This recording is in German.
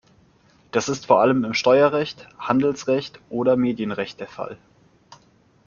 Das ist vor allem im Steuerrecht, Handelsrecht oder Medienrecht der Fall.